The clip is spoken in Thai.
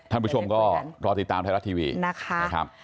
กรุงก็รอติดตามไทยรัฐทีวีนะคะ